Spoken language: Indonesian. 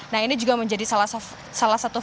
nah ini juga menjadi salah satu